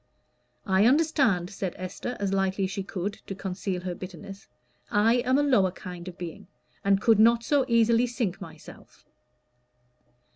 "I understand," said Esther, as lightly as she could, to conceal her bitterness. "I am a lower kind of being, and could not so easily sink myself."